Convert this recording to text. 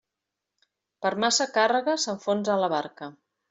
Per massa càrrega s'enfonsa la barca.